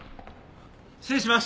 失礼します。